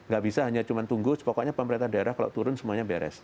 gak bisa hanya cuma tunggu pokoknya pemerintah daerah kalau turun semuanya beres